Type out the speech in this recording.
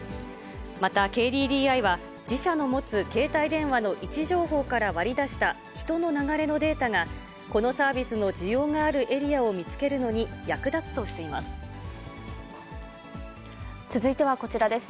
またＫＤＤＩは、自社の持つ携帯電話の位置情報から割り出した人の流れのデータが、このサービスの需要があるエリアを見つけるのに役立つとしていま続いてはこちらです。